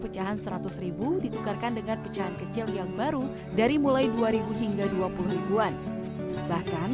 pecahan seratus ribu ditukarkan dengan pecahan kecil yang baru dari mulai dua ribu hingga dua puluh ribuan bahkan